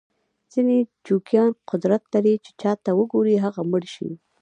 ځینې جوګیان قدرت لري چې چاته وګوري هغه مړ شي.